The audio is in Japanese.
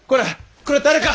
これ誰か！